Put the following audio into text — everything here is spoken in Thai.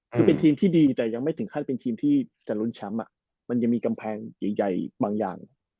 คือเป็นทีมที่ดีแต่ยังไม่ถึงขั้นเป็นทีมที่จะลุ้นแชมป์มันยังมีกำแพงใหญ่บางอย่าง